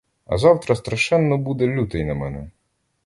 А завтра страшенно буде лютий на мене!